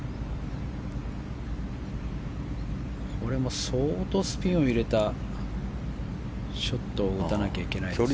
これも相当スピンを入れたショットを打たなきゃいけないですね。